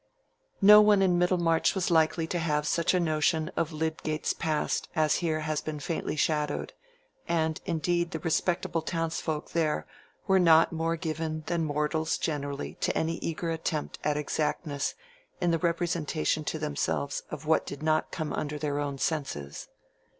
No one in Middlemarch was likely to have such a notion of Lydgate's past as has here been faintly shadowed, and indeed the respectable townsfolk there were not more given than mortals generally to any eager attempt at exactness in the representation to themselves of what did not come under their own senses.